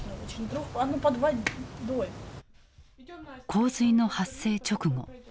洪水の発生直後